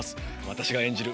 私が演じる